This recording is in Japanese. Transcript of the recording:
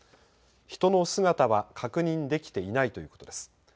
人の姿は確認できていないということです。